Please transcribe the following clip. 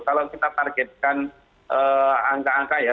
kalau kita targetkan angka angka ya